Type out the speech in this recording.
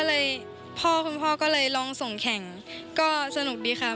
เลยพ่อคุณพ่อก็เลยลองส่งแข่งก็สนุกดีค่ะ